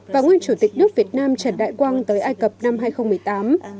và nguyên chủ tịch nước việt nam trần đại quang tới ai cập năm hai nghìn một mươi tám